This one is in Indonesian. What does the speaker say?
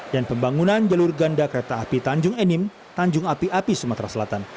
dan pembangunan jalur ganda kereta api tanjung enim tanjung api api sumatera selatan